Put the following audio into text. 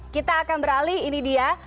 kita akan beralih ini dia